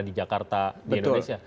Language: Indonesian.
di jakarta di indonesia